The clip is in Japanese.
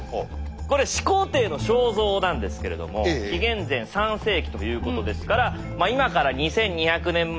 これ始皇帝の肖像なんですけれども紀元前３世紀ということですから今から２，２００年前。